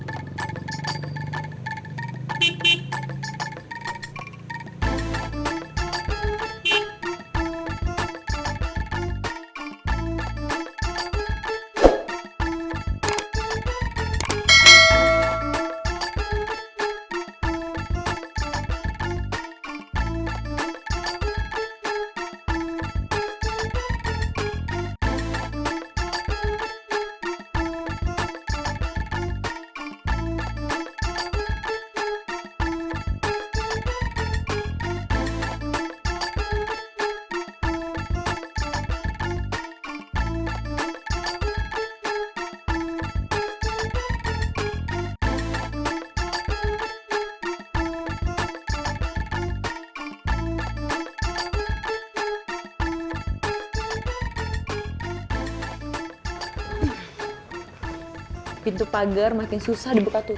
err maksudnya neng wadah nychai camping sheikh sound p cooperation choose